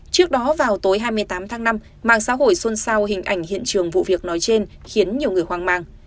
trước đó vào tối hai mươi tám tháng năm mạng xã hội xôn xao hình ảnh hiện trường vụ việc nói trên khiến nhiều người hoang mang